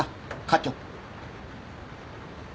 課長。